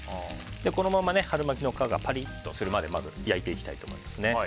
このまま春巻きの皮がパリッとするまでまず焼いていきたいと思います。